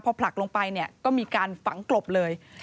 พอผลักลงไปเนี่ย